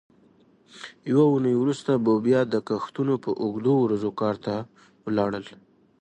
یوه اوونۍ وروسته به بیا د کښتونو په اوږدو ورځو کار ته ولاړل.